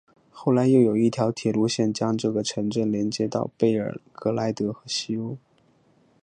后来又有一条铁路线将这个城镇连接到贝尔格莱德和西欧。